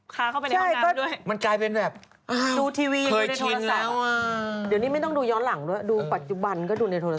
ค้าเข้าไปในคำตามด้วยมันกลายเป็นแบบอ้าวเคยชินแล้วอ่ะเดี๋ยวนี้ไม่ต้องดูย้อนหลังด้วยดูปัจจุบันก็ดูในโทรศัพท์